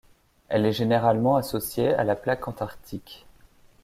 Elle est généralement associée à la plaque antarctique.